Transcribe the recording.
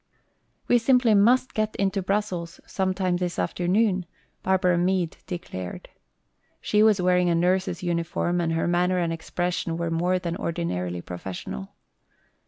"We simply must get into Brussels some time this afternoon," Barbara Meade declared. She was wearing her nurse's uniform and her manner and expression were more than ordinarily professional.